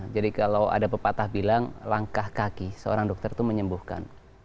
jadi kalau ada pepatah bilang langkah kaki seorang dokter itu menyembuhkan